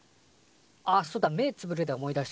あそうだ目ぇつぶるで思い出した。